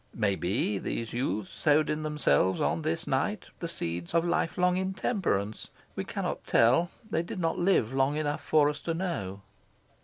Maybe, these youths sowed in themselves, on this night, the seeds of lifelong intemperance. We cannot tell. They did not live long enough for us to know.